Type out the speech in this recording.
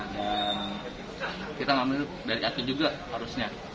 dan kita ngambil dari aku juga arusnya